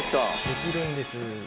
できるんです。